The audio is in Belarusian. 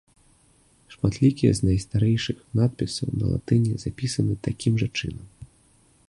Шматлікія з найстарэйшых надпісаў на латыні запісаны такім жа чынам.